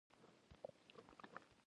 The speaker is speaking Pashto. دا زموږ ناموس دی؟